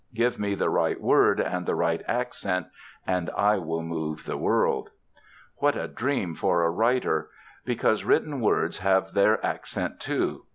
Give me the right word and the right accent and I will move the world. What a dream for a writer! Because written words have their accent, too.